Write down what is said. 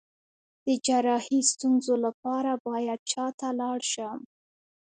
د جراحي ستونزو لپاره باید چا ته لاړ شم؟